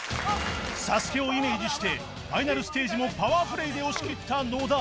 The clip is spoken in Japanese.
ＳＡＳＵＫＥ をイメージしてファイナルステージもパワープレーで押しきった野田